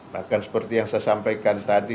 bahkan seperti yang saya sampaikan tadi